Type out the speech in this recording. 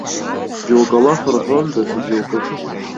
Џьоукы алаф рҳәон, даҽа џьоукых.